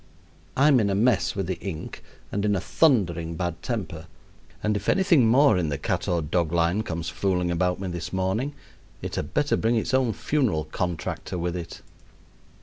I'm in a mess with the ink and in a thundering bad temper; and if anything more in the cat or dog line comes fooling about me this morning, it had better bring its own funeral contractor with it.